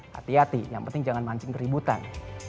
hati hati yang penting jangan mancing keributan